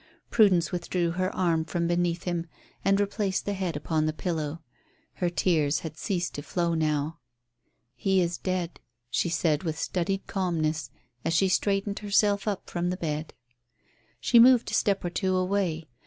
Prudence withdrew her arm from beneath him and replaced the head upon the pillow. Her tears had ceased to flow now. "He is dead," she said with studied calmness, as she straightened herself up from the bed. She moved a step or two away.